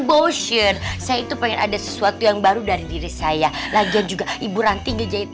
boshir saya itu pengen ada sesuatu yang baru dari diri saya lagian juga ibu ranti ngejahit